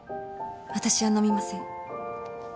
私は飲みません。